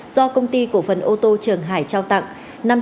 do công ty cổ phần ô tô trường hải trao tặng